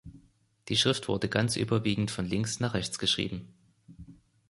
Die Schrift wurde ganz überwiegend von links nach rechts geschrieben.